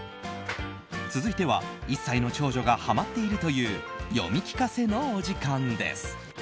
続いては、１歳の長女がハマっているという読み聞かせのお時間です。